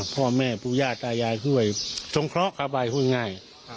พ่อแม่ผู้ญาติอายายช่วยทรงเคราะห์ข้าวใบช่วยง่าย